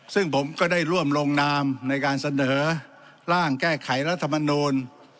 ซึ่งผมก็ได้ร่วมลงนามในการเสนอร่างแก้ไขรัฐมนูล